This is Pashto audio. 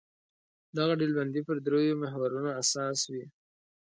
دغه ډلبندي پر درېیو محورونو اساس وي.